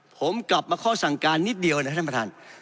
ผมกลับมาข้อสั่งการนิดเดียวนะท่านประธาน